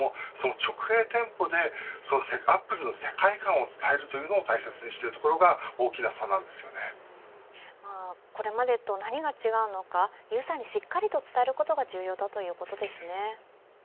その直営店舗でアップルの世界観を伝えるというのを大切にしているところがこれまでと何が違うのかユーザーにしっかりと伝えることが重要だということですね。